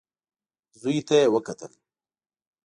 زوی ته يې وکتل.